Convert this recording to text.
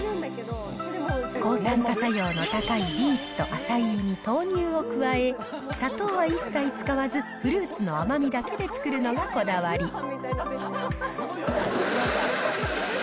抗酸化作用の高いビーツとアサイーに豆乳を加え、砂糖は一切使わず、フルーツの甘みだけで作るのがこだわり。